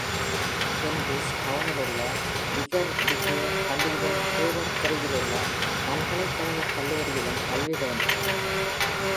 கென்டிஷ் டவுனிலுள்ள, பிகர்டிகே பள்ளியிலும் கோவர் தெருவிலுள்ள பல்கலைக்கழகக் கல்லூரியிலும் கல்வி பயின்றார்.